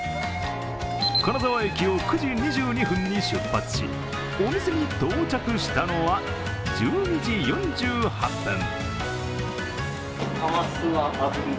金沢駅を９時２２分に出発しお店に到着したのは１２時４８分。